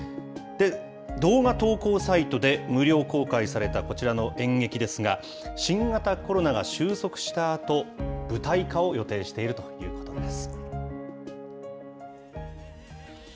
動画投稿サイトで無料公開されたこちらの演劇ですが、新型コロナが収束したあと、舞台化を予定しているということです。